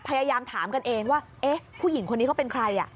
พยายามถามกันเองว่าเอ๊ะผู้หญิงคนนี้เขาเป็นใคร